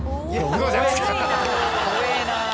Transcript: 怖えぇな。